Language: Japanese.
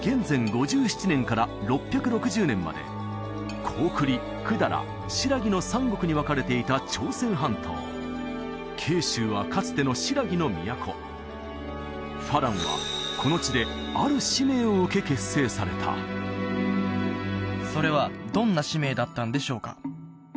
５７年から６６０年まで高句麗百済新羅の三国に分かれていた朝鮮半島慶州はかつての新羅の都花郎はこの地である使命を受け結成されたそれはどんな使命だったんでしょうか？